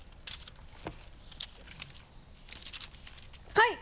はい！